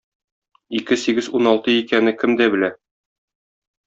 Ике сигез уналты икәне кем дә белә.